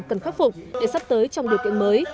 cần khắc phục để sắp tới trong điều kiện mới